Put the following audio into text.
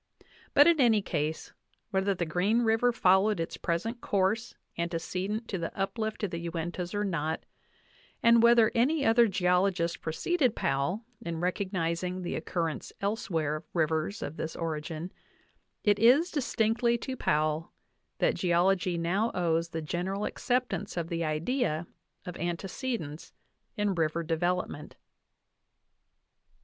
But in any case, whether the Green River followed its present course ante cedent to the uplift of the Uintas or not, and whether any other geologist preceded Powell in recognizing the occurrence elsewhere of rivers of this origin, it is distinctly to Powell that geology now owes the general acceptance of the idea of ante cedence in river development.